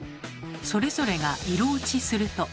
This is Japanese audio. それぞれが色落ちすると。